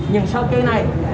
những sâu kê này